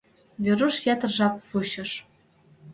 Веруш ятыр жап вучыш.